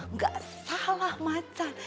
nggak salah macan